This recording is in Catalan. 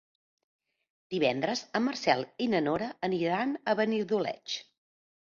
Divendres en Marcel i na Nora aniran a Benidoleig.